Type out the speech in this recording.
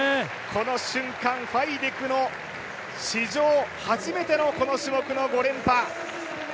この瞬間ファイデクの史上初めてのこの種目の５連覇。